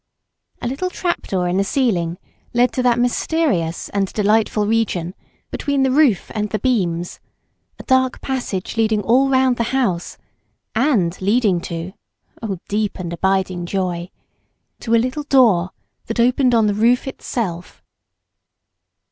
A little trapdoor in the ceiling led to that mysterious and delightful region between the roof and the beams, a dark passage leading all round the house, and leading to—oh, deep and abiding joy!—to a little door that opened on the roof itself.